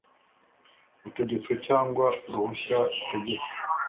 rutegetswe cyangwa uruhushya rutegetswe